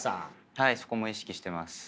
はいそこも意識してます。